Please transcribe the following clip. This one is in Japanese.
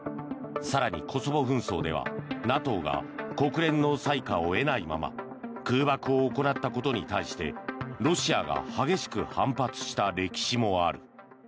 更にコソボ紛争ではＮＡＴＯが国連の裁可を得ないまま空爆を行ったことに対してロシアが激しく反発した歴史もある。